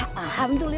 siapa yang nerbangin